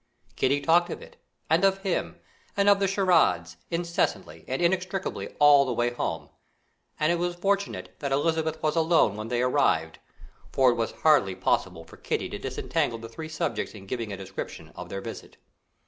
Kitty talked of it, and of him, and of the charades, incessantly and inextricably all the way home; and it was fortunate that Elizabeth was alone when they arrived, for it was hardly possible for Kitty to disentangle the three subjects in giving a description of their visit.